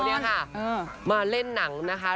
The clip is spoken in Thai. เออมาเล่นหนังนะคะ